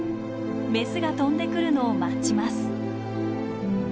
メスが飛んでくるのを待ちます。